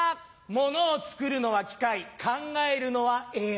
物を作るのは機械考えるのはＡＩ。